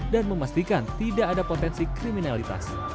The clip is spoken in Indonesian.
dan memastikan tidak ada potensi kriminalitas